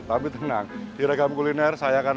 tapi tenang di rekam kuliner saya akan